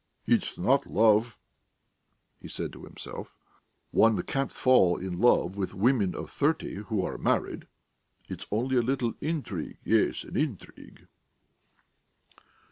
"It's not love," he said to himself. "One can't fall in love with women of thirty who are married. It is only a little intrigue.... Yes, an intrigue...."